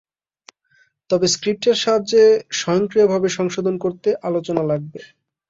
তবে স্ক্রিপ্টের সাহায্যে স্বয়ংক্রিয়ভাবে সংশোধন করতে আলোচনা লাগবে।